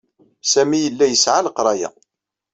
Sami yella yesɛa leqraya.